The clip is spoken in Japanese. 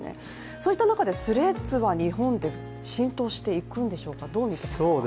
そういった中でＴｈｒｅａｄｓは日本で浸透していくんでしょうか、どう見ていますか？